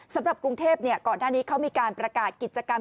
สำหรับกรุงเทพก่อนหน้านี้เขามีการประกาศกิจกรรม